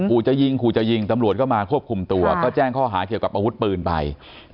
ขู่จะยิงขู่จะยิงตำรวจก็มาควบคุมตัวก็แจ้งข้อหาเกี่ยวกับอาวุธปืนไป